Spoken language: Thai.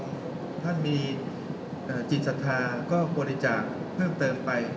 ถ้าท่านมีจิตศรัทธาก็บริจาคเพิ่มเติมไป